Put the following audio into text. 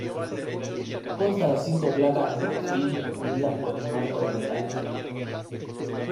Consta de cinco placas de marfil unidas por un marco de metal.